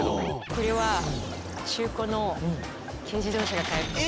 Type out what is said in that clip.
これは中古の軽自動車が買えると思います。